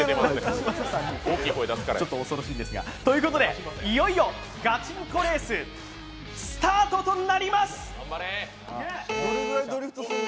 ちょっと恐ろしいんですがということでいよいよガチンコレーススタートとなります！